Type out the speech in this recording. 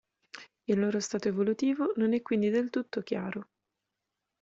Il loro stato evolutivo non è quindi del tutto chiaro.